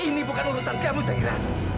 ini bukan urusan kamu zagira